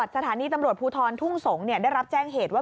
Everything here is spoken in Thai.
สถานีตำรวจภูทรทุ่งสงศ์ได้รับแจ้งเหตุว่า